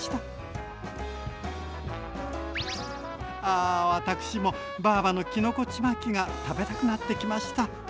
あ私もばぁばのきのこちまきが食べたくなってきました。